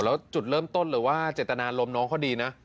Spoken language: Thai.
เราจนเลิกต้นเลยว่าเจตนารมบน้องก็ดีนะ